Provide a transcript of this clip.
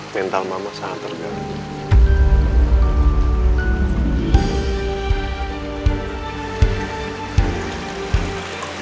mental mama sangat tergantung